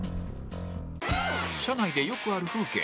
車内でよくある風景